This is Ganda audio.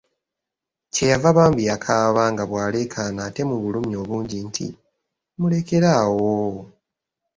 Kye yava bambi akaaba nga bw'aleekaana ate mu bulumi obungi nti, mulekere awo!